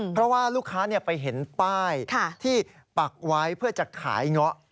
เพราะว่าลูกค้าไปเห็นป้ายที่ปักไว้เพื่อจะขายเงาะ